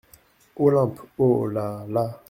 Olympe Oh ! là ! là !